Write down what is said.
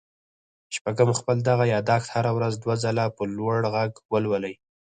شپږم خپل دغه ياداښت هره ورځ دوه ځله په لوړ غږ ولولئ.